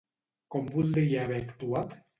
Com voldria haver actuat?